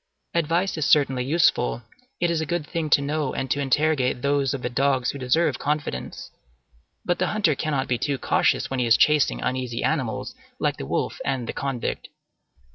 Advice is certainly useful; it is a good thing to know and to interrogate those of the dogs who deserve confidence; but the hunter cannot be too cautious when he is chasing uneasy animals like the wolf and the convict.